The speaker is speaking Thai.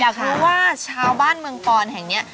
อยากรู้ว่าชาวบ้านเมืองปอนแห่งนี้